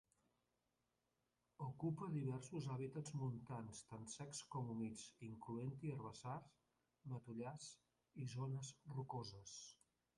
Ocupa diversos hàbitats montans, tant secs com humits, incloent-hi herbassars, matollars i zones rocoses.